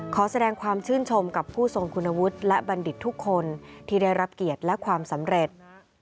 ขอแสดงความชื่นชมกับผู้ทรงคุณวุฒิและบัณฑิตทุกคนที่ได้รับเกียรติและความสำเร็จ